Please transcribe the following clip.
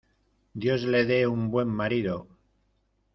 ¡Dios le dé un buen marido!